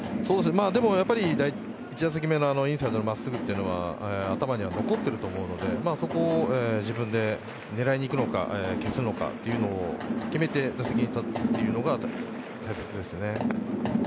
やっぱり１打席目のインサイドの真っすぐというのは頭には残ってると思うのでそこを自分で狙いにいくのか消すのかというのを決めて打席に立つというのが大切ですよね。